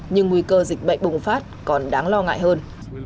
nhưng nguy cơ dịch bệnh bùng phát còn đáng lo ngại hơn